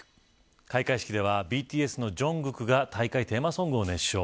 開会式やＢＴＳのジョングクが大会テーマソングを熱唱。